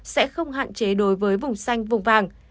sẽ không hạn chế đối với vùng xanh vùng vàng